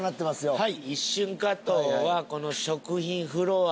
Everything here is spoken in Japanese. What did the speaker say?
はい。